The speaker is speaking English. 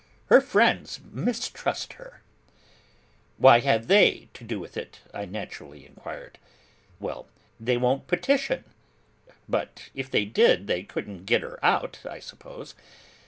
'Her friends mistrust her.' 'What have they to do with it?' I naturally inquired. 'Well, they won't petition.' 'But if they did, they couldn't get her out, I suppose?